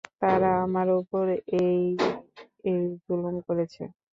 তারা আমার উপর এই এই জুলুম করেছে।